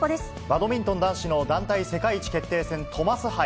バドミントン男子の団体世界一決定戦、トマス杯。